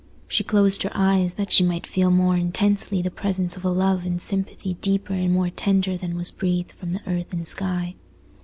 She closed her eyes, that she might feel more intensely the presence of a Love and Sympathy deeper and more tender than was breathed from the earth and sky.